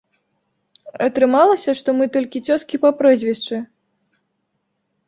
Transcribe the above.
Атрымалася, што мы толькі цёзкі па прозвішчы.